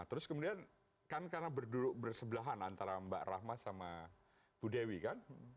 terus kemudian kan karena berduduk bersebelahan antara mbak rahma sama bu dewi kan